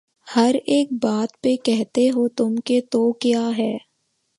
ہر ایک بات پہ کہتے ہو تم کہ تو کیا ہے